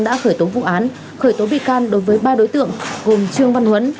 đã khởi tố vụ án khởi tố bị can đối với ba đối tượng gồm trương văn huấn